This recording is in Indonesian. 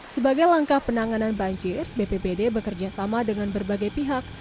sebagai langkah penanganan banjir bpbd bekerjasama dengan berbagai pihak